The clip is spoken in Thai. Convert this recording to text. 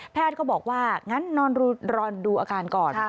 ก็บอกว่างั้นนอนดูอาการก่อน